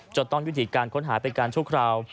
จะต้องยูดิการค้นหาไปก่อนทุกคราม